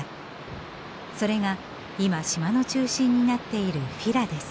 それが今島の中心になっているフィラです。